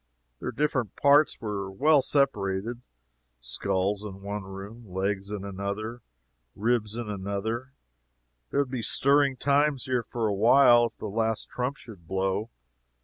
"Their different parts are well separated skulls in one room, legs in another, ribs in another there would be stirring times here for a while if the last trump should blow.